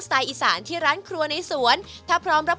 ไตล์อีสานที่ร้านครัวในสวนถ้าพร้อมรับ